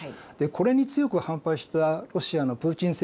これに強く反発したロシアのプーチン政権がですね